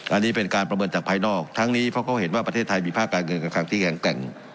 อันนี้เป็นการประเมินจากภายนอกทั้งนี้เพราะเขาเห็นว่าประเทศไทยมีภาคการเงินการคังที่แข็งแกร่ง